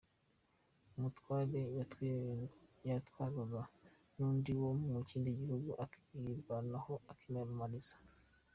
Umutware yatwerwaga n’undi wo mu kindi gihugu akirwanaho akimaramariza.